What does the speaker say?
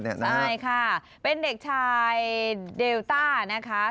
ใช่ค่ะเป็นเด็กชายเดลต้านะคะ